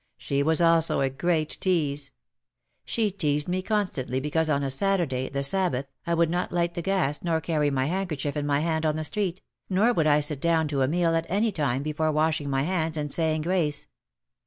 She was also a great tease. She teased me constantly because on a Saturday, the Sab bath, I would not light the gas nor carry my handker chief in my hand on the street, nor would I sit down to a meal at any time before washing my hands and say ing grace.